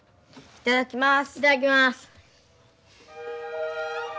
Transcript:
いただきます。